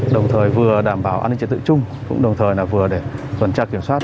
để vừa đảm bảo an ninh triển tự chung cũng đồng thời là vừa để tuần tra kiểm soát